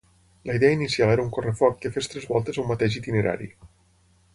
La idea inicial era un correfoc que fes tres voltes a un mateix itinerari.